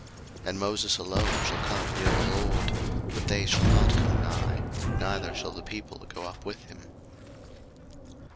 02:024:002 And Moses alone shall come near the LORD: but they shall not come nigh; neither shall the people go up with him.